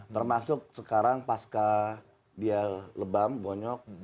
termasuk sekarang pasca dia lebam bonyok